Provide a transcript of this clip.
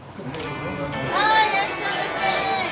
はいいらっしゃいませ！